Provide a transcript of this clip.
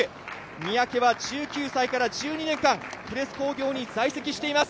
三宅は１９歳から１２年間プレス工業に在籍しています。